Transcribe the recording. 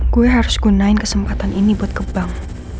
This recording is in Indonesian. gue harus gunain kesempatan ini buat ke bank